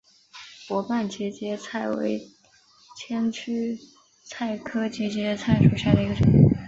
薄瓣节节菜为千屈菜科节节菜属下的一个种。